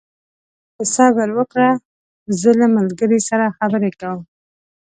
ته صبر وکړه، زه له ملګري سره خبرې کوم.